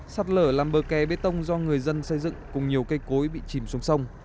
sạt lở làm bờ kè bê tông do người dân xây dựng cùng nhiều cây cối bị chìm xuống sông